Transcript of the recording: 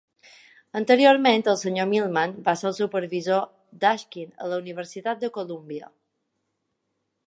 Anteriorment, el senyor Millman va ser el supervisor d'Ashkin a la Universitat de Colúmbia.